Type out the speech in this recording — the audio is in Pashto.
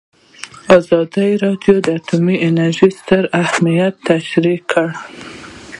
ازادي راډیو د اټومي انرژي ستر اهميت تشریح کړی.